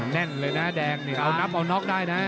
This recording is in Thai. แน่นเลยนะแดงนี่เอานับเอาน็อกได้นะ